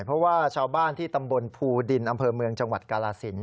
เพราะว่าชาวบ้านที่ตำบลภูดินอำเภอเมืองจังหวัดกาลสิน